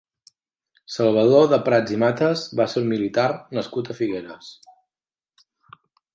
Salvador de Prats i Mates va ser un militar nascut a Figueres.